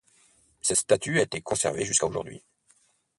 Cette statue a été conservée jusqu'à aujourd'hui.